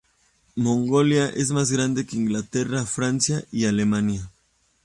Mongolia es más grande que Inglaterra, Francia y Alemania".